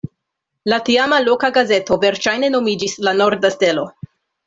La tiama loka gazeto verŝajne nomiĝis "La Norda Stelo".